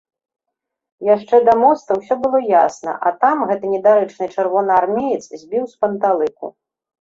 Яшчэ да моста ўсё было ясна, а там гэты недарэчны чырвонаармеец збіў з панталыку.